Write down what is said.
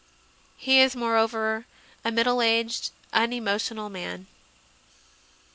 He is, moreover, a middle aged, unemotional man. 3.